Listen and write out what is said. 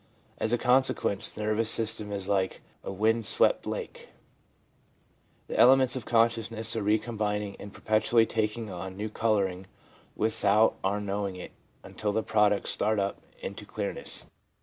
As a consequence the nervous system is ' like a wind swept lake/ The elements of con sciousness are re combining, and perpetually taking on new colouring without our knowing it until the products start up into clearness.